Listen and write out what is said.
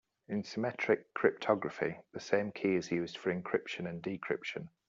In symmetric cryptography the same key is used for encryption and decryption.